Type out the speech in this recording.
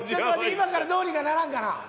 今からどうにかならんかな？